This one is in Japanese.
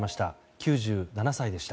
９７歳でした。